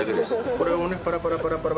これをねパラパラパラパラ。